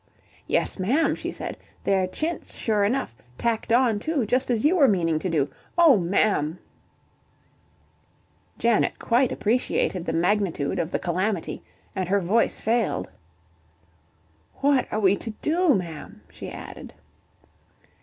"Yes, ma'am," she said. "They're chintz sure enough. Tacked on, too, just as you were meaning to do. Oh, ma'am " Janet quite appreciated the magnitude of the calamity and her voice failed. "What are we to do, ma'am?" she added.